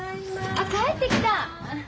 あっ帰ってきた。